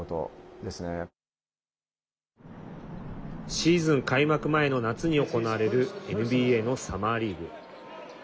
シーズン開幕前の夏に行われるＮＢＡのサマーリーグ。